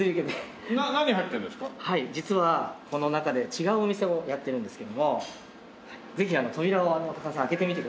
実はこの中で違うお店をやってるんですけどもぜひ扉を高田さん開けてみてください。